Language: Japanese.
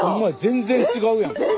全然違うやん。